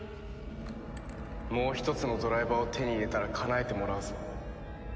もう一つのドライバーを手に入れたらかなえてもらうぞ。